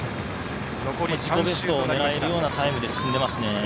自己ベストを狙えるようなタイムで進んでいますね。